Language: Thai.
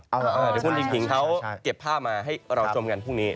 อ๋อใช่ใช่เดี๋ยวคุณหญิงเขาเก็บผ้ามาให้เราชมกันพรุ่งนี้